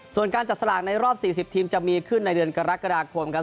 ส่วนการจับสลากในรอบ๔๐ทีมจะมีขึ้นในเดือนกรกฎาคมครับ